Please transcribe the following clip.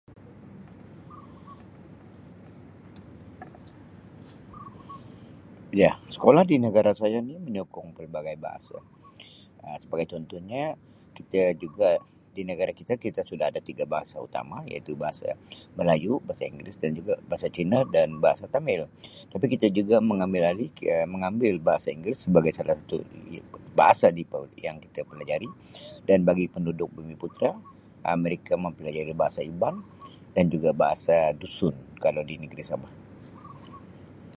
Ya, sekolah di negara saya ni menyokong pelbagai bahasa Um sebagai contohnya kita juga di negara kita kita sudah ada tiga bahasa utama iaitu bahasa Melayu, bahasa Inggeris dan juga bahasa Cina dan bahasa Tamil tapi kita juga mengambil alih kira mengambil Bahasa Inggeris sebagai salah satu [unintelligible] bahasa di [unintelligible] yang kita pelajari dan bagi penduduk bumiputera Um mereka mempelajari bahasa Iban dan juga bahasa Dusun kalau di negeri Sabah.